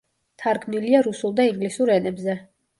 თარგმნილია რუსულ და ინგლისურ ენებზე.